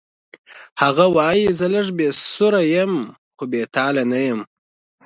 هغه وایی زه لږ بې سره یم خو بې تاله نه یم